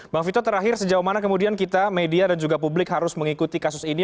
bang vito terakhir sejauh mana kemudian kita media dan juga publik harus mengikuti kasus ini